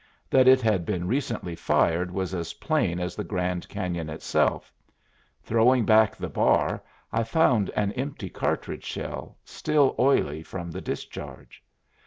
That it had been recently fired was as plain as the Grand Cañon itself; throwing back the bar, I found an empty cartridge shell, still oily from the discharge.